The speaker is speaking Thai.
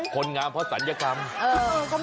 ขนงามเพราะสัญกรรม